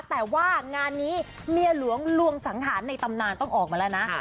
แต่ว่างานนี้เมียหลวงลวงสังหารในตำนานต้องออกมาแล้วนะ